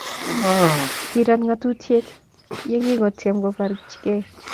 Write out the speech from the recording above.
kirat ng'otutie yekingotyem koboryekei